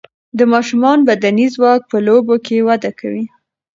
د ماشومان بدني ځواک په لوبو کې وده کوي.